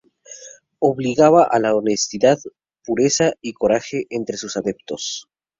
Obligaba a la honestidad, pureza y coraje entre sus adeptos.